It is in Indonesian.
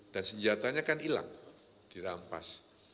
dan senjatanya kan hilang dirampas